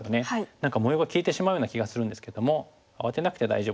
何か模様が消えてしまうような気がするんですけども慌てなくて大丈夫です。